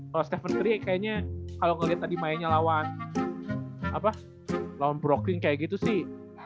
kalau stephen curry kayaknya kalau ngelihat tadi mainnya lawan brooklyn kayak gitu sih